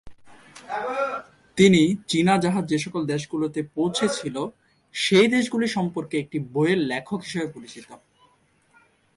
তিনি চীনা জাহাজ যে সকল দেশগুলোতে পৌঁছেছিল সেই দেশগুলি সম্পর্কে একটি বইয়ের লেখক হিসাবে পরিচিত।